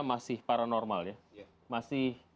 masih paranormal ya masih